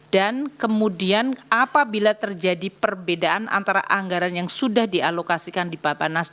dan kemudian apabila terjadi perbedaan antara anggaran yang sudah dialokasikan di bapak nas